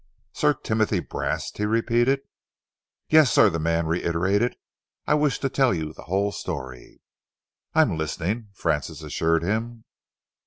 "Sir Timothy Brast?" he repeated. "Yes, sir," the man reiterated. "I wish to tell you the whole story." "I am listening," Francis assured him.